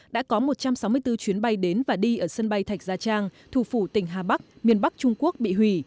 đã có một trăm sáu mươi bốn chuyến bay đến và đi ở sân bay thạch gia trang thủ phủ tỉnh hà bắc miền bắc trung quốc bị hủy